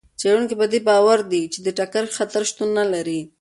څېړونکي په دې باور دي چې د ټکر خطر شتون نه لري.